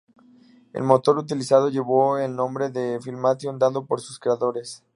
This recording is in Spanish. El motor utilizado llevó el nombre de Filmation dado por sus creadores.